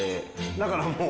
だからもう。